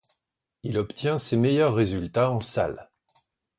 Il obtient ses meilleurs résultats en salle.